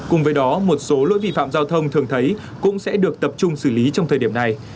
cùng với đó một số lỗi vi phạm giao thông thường thấy cũng sẽ được tập trung xử lý trong thời điểm này